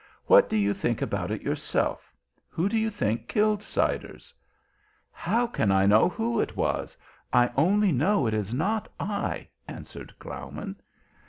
"What do you think about it yourself? Who do you think killed Siders?" "How can I know who it was? I only know it is not I," answered Graumann.